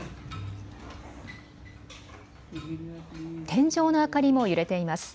天井の明かりも揺れています。